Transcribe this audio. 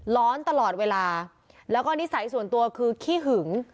ร้อนตลอดเวลาแล้วก็นิสัยส่วนตัวคือขี้หึง